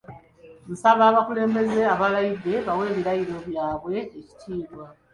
Nsaba abakulembeze abalayidde bawe ebirayiro byabwe ekitiibwa .